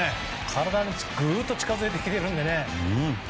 体にぐっと近づいてくるので。